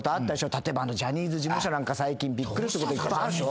例えばジャニーズ事務所なんか最近びっくりすることいっぱいあるでしょ。